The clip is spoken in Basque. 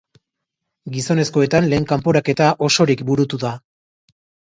Gizonezkoetan lehen kanporaketa osorik burutu da.